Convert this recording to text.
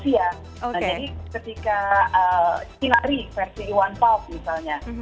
kira kira sinari versi iwan fals misalnya